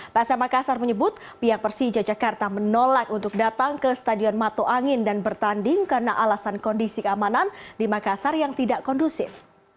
psm makassar menyebut pihak persija jakarta menolak untuk datang ke stadion mato angin dan bertanding karena alasan kondisi keamanan di makassar yang tidak kondusif